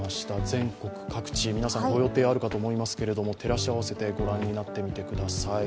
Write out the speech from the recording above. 全国各地、皆さん、ご予定あるかと思いますけれども照らし合わせてご覧になってみてください。